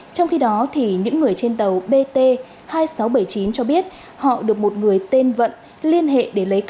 trong khi đó thì những người trên tàu pt hai nghìn sáu trăm bảy mươi chín cho biết họ được một người tên vận liên hệ để lấy